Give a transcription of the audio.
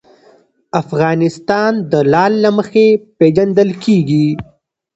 افغانستان د لعل له مخې پېژندل کېږي.